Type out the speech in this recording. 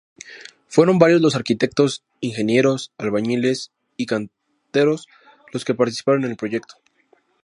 Fueron varios los arquitectos, ingenieros, albañiles y canteros los que participaron en el proyecto.